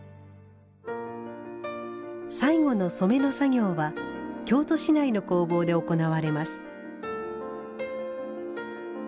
最後の染めの作業は京都市内の工房で行われます。